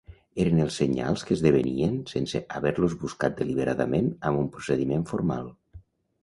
Eren els senyals que esdevenien sense haver-los buscat deliberadament amb un procediment formal.